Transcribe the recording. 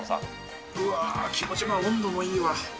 うわー、気持ちいい、温度もいいわ。